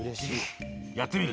やってみる？